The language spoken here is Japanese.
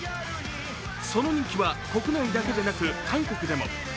その人気は国内だけじゃなく韓国でも。